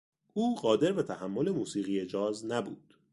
او قادر به تحمل موسیقی جاز نبود.